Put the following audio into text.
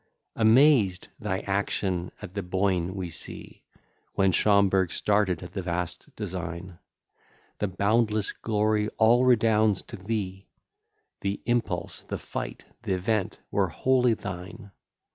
Amazed, thy action at the Boyne we see! When Schomberg started at the vast design: The boundless glory all redounds to thee, The impulse, the fight, th'event, were wholly thine.